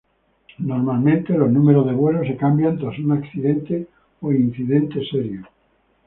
Normalmente, los números de vuelo se cambian tras un accidente o incidente serio.